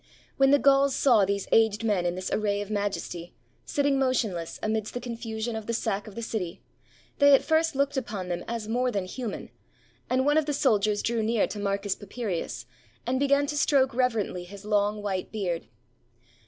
When the Gauls saw these aged men in this array of majesty, sit ting motionless amidst the confusion of the sack of the city, they at first looked upon them as more than human, and one of the soldiers drew near to Marcus Papirius, and began to stroke reverently his long white beard.